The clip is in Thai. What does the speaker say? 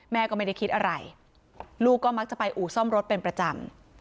แม่ก็ไม่ได้คิดอะไรลูกก็มักจะไปอู่ซ่อมรถเป็นประจำ